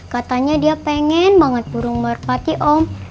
katanya dia pengen banget burung merpati om